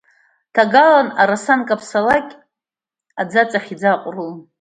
Ҭагалан араса анкаԥсалак аӡаҵахь иӡааҟәрылон.